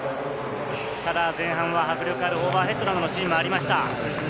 前半は迫力あるオーバーヘッドのシーンもありました。